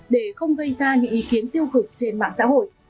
để không gây ra những ý kiến tiêu cực trên mạng xã hội